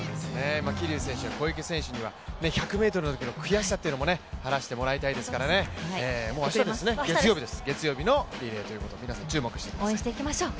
桐生選手や小池選手には１００ｍの悔しさも晴らしてもらいたいですから明日ですよね、月曜日のリレーということで皆さん応援していきましょう。